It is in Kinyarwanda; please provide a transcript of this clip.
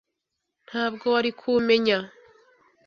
Ntabwo wari kumenya .